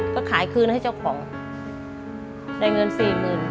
ก็ขายคืนให้เจ้าของได้เงิน๔๐๐๐๐บาท